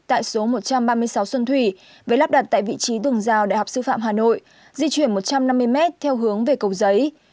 tại số một trăm ba mươi sáu xuân thủy với lắp đặt tại vị trí tường rào đại học sư phạm hà nội di chuyển một trăm năm mươi m theo hướng về cầu giấy